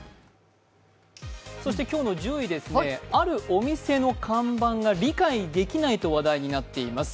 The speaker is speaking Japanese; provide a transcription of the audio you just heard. そして今日の１０位ですが、あるお店の看板が理解できないと話題になっています。